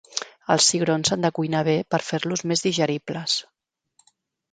Els cigrons s'han de cuinar bé per fer-los més digeribles.